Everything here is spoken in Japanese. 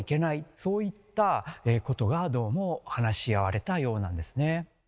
そういったことがどうも話し合われたようなんですね。